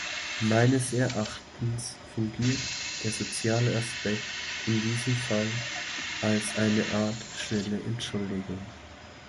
Meines Erachtens fungiert der soziale Aspekt in diesem Fall als eine Art schnelle Entschuldigung.